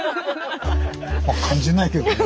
ま感じないけどね。